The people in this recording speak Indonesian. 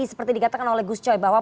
seperti dikatakan oleh gus coy bahwa